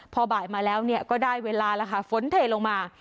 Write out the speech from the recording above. พอบ่ายมาแล้วก็ได้เวลาแล้วค่ะฝนเทลงมา